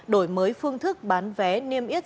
đổi mới phương thức bán vé niêm yết